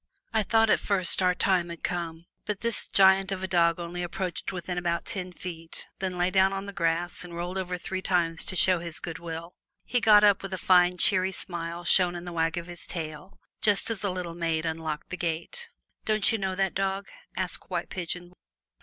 I thought at first our time had come. But this giant of a dog only approached within about ten feet, then lay down on the grass and rolled over three times to show his goodwill. He got up with a fine, cheery smile shown in the wag of his tail, just as a little maid unlocked the gate. "Don't you know that dog?" asked White Pigeon.